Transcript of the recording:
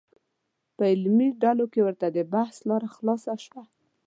په علمي ډلو کې ورته د بحث لاره خلاصه شوه.